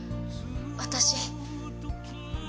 私。